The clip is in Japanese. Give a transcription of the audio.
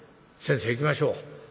先生いきましょう。